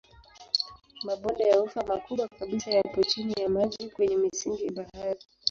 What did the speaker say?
Mabonde ya ufa makubwa kabisa yapo chini ya maji kwenye misingi ya bahari.